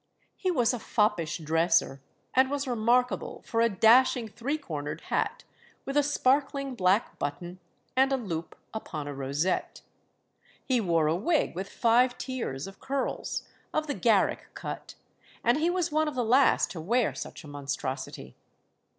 He was a foppish dresser, and was remarkable for a dashing three cornered hat, with a sparkling black button and a loop upon a rosette. He wore a wig with five tiers of curls, of the Garrick cut, and he was one of the last to wear such a monstrosity.